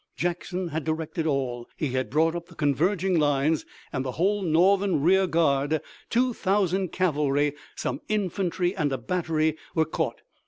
Jackson had directed all, he had brought up the converging lines, and the whole Northern rear guard, two thousand cavalry, some infantry and a battery, were caught.